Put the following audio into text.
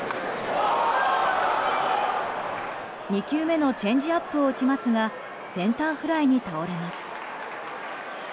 ２球目のチェンジアップを打ちますがセンターフライに倒れます。